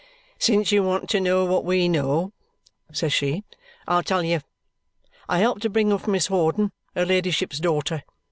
"Since you want to know what we know," says she, "I'll tell you. I helped to bring up Miss Hawdon, her ladyship's daughter.